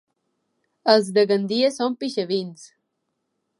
Els de Gandia són pixavins.